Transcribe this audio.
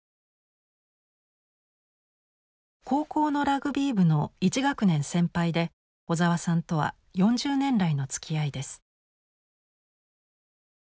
高校のラグビー部の１学年先輩で小沢さんとは４０年来のつきあいです。